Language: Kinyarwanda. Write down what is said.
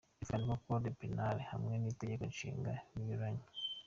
Byumvikane ko code penal hamwe n’Itegeko Nshinga binyuranye.